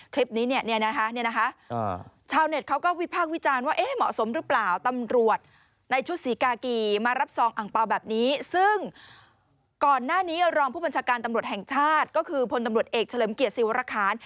คลิปนี้เนี่ยนะคะชาวเน็ตเขาก็วิภาควิจารณ์ว่าเห้ยเหมาะสมหรือเปล่า